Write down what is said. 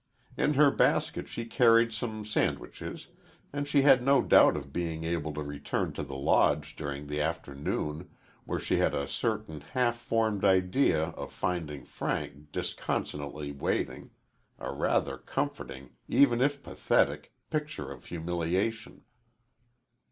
In her basket she carried some sandwiches, and she had no doubt of being able to return to the Lodge during the afternoon, where she had a certain half formed idea of finding Frank disconsolately waiting a rather comforting even if pathetic picture of humiliation.